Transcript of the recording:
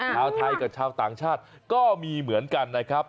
ชาวไทยกับชาวต่างชาติก็มีเหมือนกันนะครับ